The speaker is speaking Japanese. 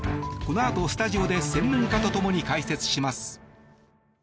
このあと、スタジオで専門家と共に解説します。